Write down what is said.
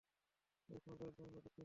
এর কোন দলীল-প্রমাণ বা যুক্তি নেই।